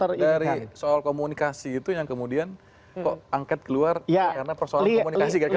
dari soal komunikasi itu yang kemudian kok angket keluar karena persoalan komunikasi kira kira